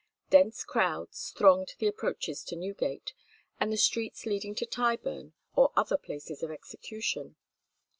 Dense crowds thronged the approaches to Newgate and the streets leading to Tyburn or other places of execution.